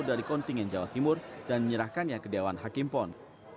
dari kontingen jawa timur dan menyerahkannya ke dewan hakim pon